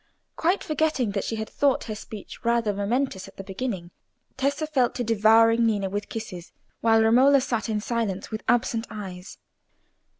Quite forgetting that she had thought her speech rather momentous at the beginning, Tessa fell to devouring Ninna with kisses, while Romola sat in silence with absent eyes.